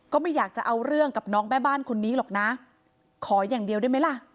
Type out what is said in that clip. ก็ไม่อยากจะเอาเรื่องกับน้องแม่บ้านคนนี้หรอกนะขออย่างเดียวได้ไหมล่ะ